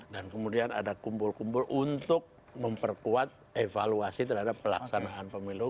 dan kemudian ada kumpul kumpul untuk memperkuat evaluasi terhadap pelaksanaan pemilu